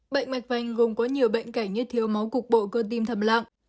bệnh mạch vành gồm có nhiều bệnh cảnh như thiếu máu cục bộ cơ tim thầm lặng